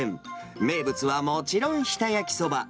名物はもちろん日田焼きそば。